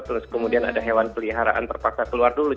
terus kemudian ada hewan peliharaan terpaksa keluar dulu